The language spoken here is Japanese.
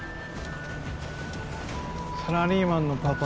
サラリーマンのパパ